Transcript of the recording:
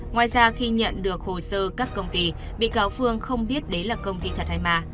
ngoài ra khi nhận được hồ sơ các công ty bị cáo phương không biết đấy là công ty thật hay mà